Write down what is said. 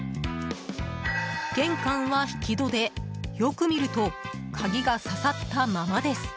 玄関は引き戸で、よく見ると鍵が挿さったままです。